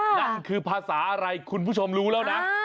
นั่นคือภาษาอะไรคุณผู้ชมรู้แล้วนะ